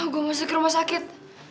gue masih ke rumah sakit